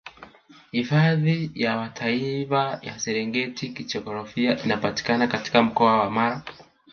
Hifadhi ya Taifa ya Serengeti Kijiografia inapatikana katika mkoa wa Mara